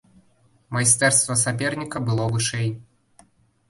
Майстэрства саперніка было вышэй.